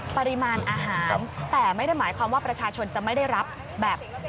ปริมาณอาหารแต่ไม่ได้หมายความว่าประชาชนจะไม่ได้รับแบบ